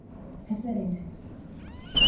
referências